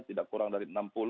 tidak kurang dari enam puluh